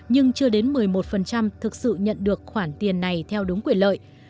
nhưng chưa đến một mươi một thực sự nhận được khoản tiền này theo đúng quyền lợi